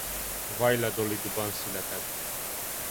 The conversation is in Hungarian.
Valladolidban született.